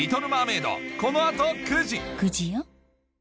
９時よ